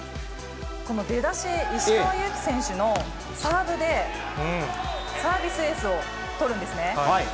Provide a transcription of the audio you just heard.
この出だし、石川祐希選手のサーブで、サービスエースを取るんですね。